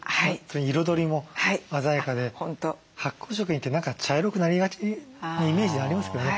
彩りも鮮やかで発酵食品って何か茶色くなりがちなイメージがありますけどね。